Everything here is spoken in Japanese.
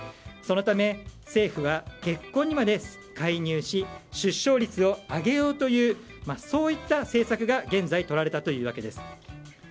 そのため政府は結婚にまで介入し出生率を上げようというそういった政策が現在、とられたということです。